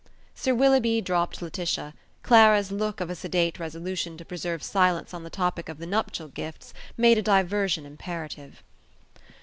Sir Willoughby dropped Laetitia; Clara's look of a sedate resolution to preserve silence on the topic of the nuptial gifts made a diversion imperative.